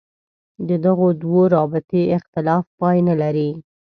دغو دوو رابطې اختلاف پای نه لري.